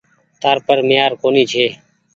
تآر پر ميهآر ڪونيٚ ڇي۔